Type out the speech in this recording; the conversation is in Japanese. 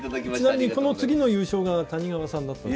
ちなみにこの次の優勝が谷川さんだった。